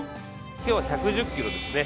今日は１１０キロですね。